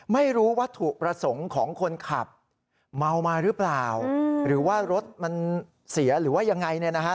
ไม่รู้วัตถุประสงค์ของคนขับเมามาหรือเปล่าหรือว่ารถมันเสียหรือว่ายังไงเนี่ยนะฮะ